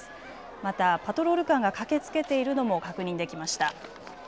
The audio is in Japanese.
またパトロール官が駆けつけているのも確認できました。